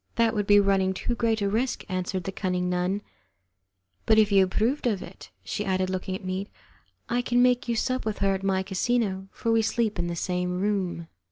"That would be running too great a risk," answered the cunning nun, "but if you approve of it," she added, looking at me, "I can make you sup with her at my casino, for we sleep in the same room."